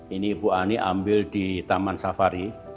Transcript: ini ibu ani ambil di taman safari